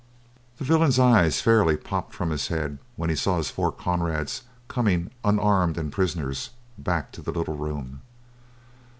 The villain's eyes fairly popped from his head when he saw his four comrades coming, unarmed and prisoners, back to the little room.